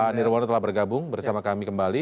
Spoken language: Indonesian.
pak nirwono telah bergabung bersama kami kembali